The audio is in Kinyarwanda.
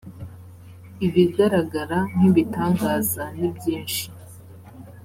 ibigaragara nk ibitangaza nibyishi.